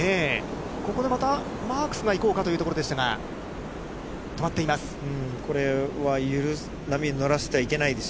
ここでまたマークスがいこうかというところでしたが、止まっています。